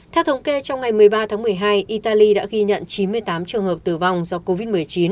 theo thống kê trong ngày một mươi ba tháng một mươi hai italy đã ghi nhận chín mươi tám trường hợp tử vong do covid một mươi chín